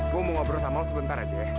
gue mau ngobrol sama lo sebentar aja ya